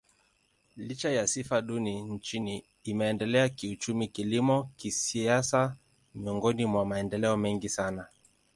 Licha ya sifa duni nchini, imeendelea kiuchumi, kilimo, kisiasa miongoni mwa maendeleo mengi sana.